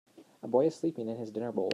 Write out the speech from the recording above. A boy is sleeping in his dinner bowl.